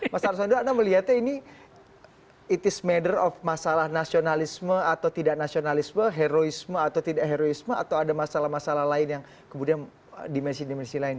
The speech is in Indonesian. mas arsando anda melihatnya ini it is matter of masalah nasionalisme atau tidak nasionalisme heroisme atau tidak heroisme atau ada masalah masalah lain yang kemudian dimensi dimensi lain